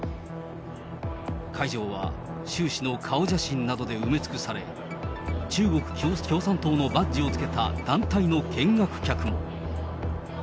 会場は習氏の顔写真などで埋め尽くされ、中国共産党のバッジをつけた団体の見学客も。